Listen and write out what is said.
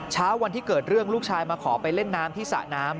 เช้าวันที่เกิดเรื่องลูกชายมาขอไปเล่นน้ำที่สระน้ำ